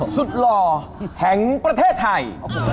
หล่อแห่งประเทศไทย